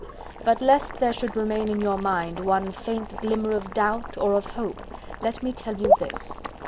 But lest there should remain in your mind one faint glimmer of doubt or of hope, let me tell you this.